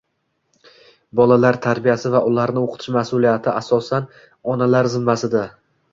Bolalar tarbiyasi va ularni o'qitish mas'uliyati asosan onalar zimmasida.